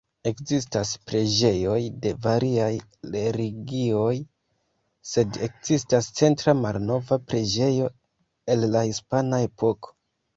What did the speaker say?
Ekzistas preĝejoj de variaj religioj, sed ekzistas centra malnova preĝejo el la Hispana Epoko.